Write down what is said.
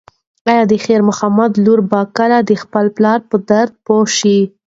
ایا د خیر محمد لور به کله د خپل پلار په درد پوه شي؟